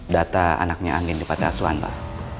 data anaknya angin di pantai asuhan pak